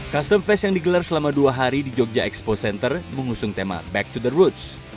custom fest yang digelar selama dua hari di jogja expo center mengusung tema back to the roots